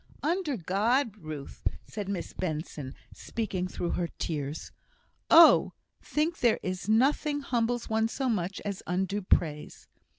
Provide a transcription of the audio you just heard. "Under God, Ruth," said Miss Benson, speaking through her tears. "Oh! I think there is nothing humbles one so much as undue praise.